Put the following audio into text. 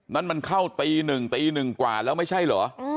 นั้นมันเข้าตีหนึ่งตีหนึ่งกว่าแล้วไม่ใช่เหรอ